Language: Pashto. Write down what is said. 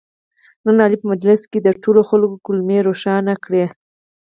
نن علي په مجلس کې د ټولو خلکو کولمې ورشنې کړلې.